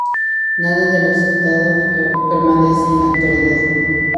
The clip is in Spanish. Nada de lo citado permanece en la actualidad.